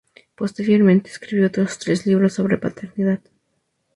Posteriormente escribió otros tres libros sobre paternidad.